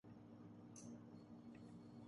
یعنی انہیں جو سنائی جاتی ہے۔